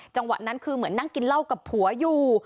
จังหวะนั้นคือเหมือนนั่งกินเหล้ากับผัวอยู่